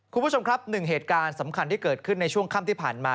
คุณผู้ชมครับหนึ่งเหตุการณ์สำคัญที่เกิดขึ้นในช่วงค่ำที่ผ่านมา